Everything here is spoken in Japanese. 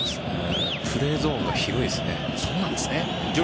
プレーゾーンが広いですね。